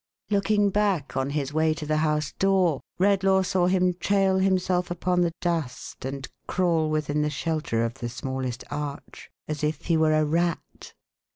Looking back on his way to the house door, Redlaw saw him trail himself upon the dust and crawl within the shelter of the smallest arch, as if he were a rat.